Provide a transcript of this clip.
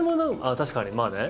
確かに、まあね。